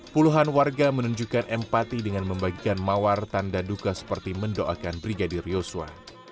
puluhan warga menunjukkan empati dengan membagikan mawar tanda duka seperti mendoakan brigadir yosua